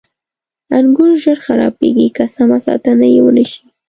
• انګور ژر خرابېږي که سمه ساتنه یې ونه شي.